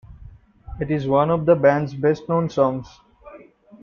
It is one of the band's best-known songs.